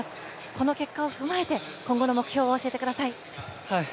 この結果を踏まえて、今後の目標を教えてください。